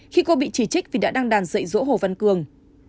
khi cô bị chỉ trích vì đã đăng đàn dạy dỗ hồ văn cường